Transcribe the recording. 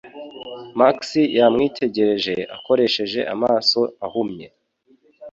Max yamwitegereje akoresheje amaso ahumye